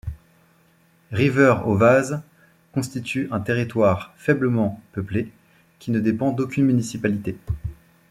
River aux Vases constitue un territoire faiblement peuplé qui ne dépend d'aucune municipalité.